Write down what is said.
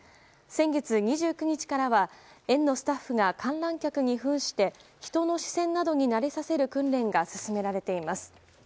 先月２９日からは園のスタッフが観覧客に扮して人の視線などに慣れさせる訓練が進められています。